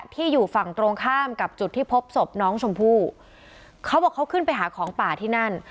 ที่อยู่ฝั่งตรงข้ามกับจุดที่พบศพน้องชมพู่เขาบอกเขาขึ้นไปหาของป่าที่นั่น